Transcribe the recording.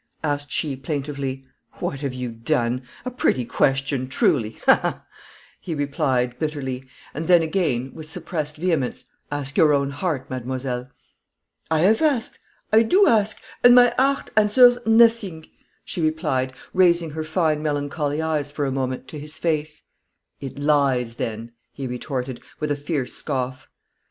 asked she, plaintively. "What have you done! A pretty question, truly. Ha, ha!" he repeated, bitterly, and then added, with suppressed vehemence, "ask your own heart, mademoiselle." "I have asked, I do ask, and my heart answers nothing," she replied, raising her fine melancholy eyes for a moment to his face. "It lies, then," he retorted, with a fierce scoff.